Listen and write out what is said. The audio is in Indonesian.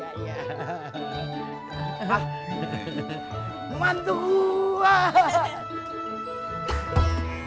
hahaha ibu kangen banget